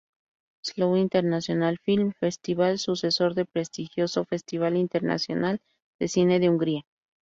Slow International Film Festival"", sucesor del prestigioso ""Festival Internacional de Cine de Hungría"".